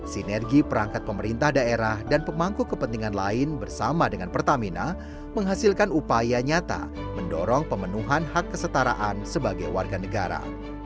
sinergi perangkat pemerintah daerah dan pemangku kepentingan lain bersama dengan pertamina menghasilkan upaya nyata mendorong pemenuhan hak kesetaraan sebagai warga negara